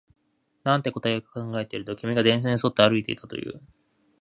なんて答えようか考えていると、君が電線に沿って歩いていたと言う